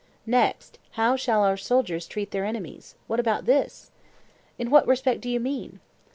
Next, how shall our soldiers treat their enemies? What about this? In what respect do you mean?